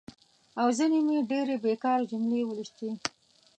او ځینې مې ډېرې بېکاره جملې ولوستي.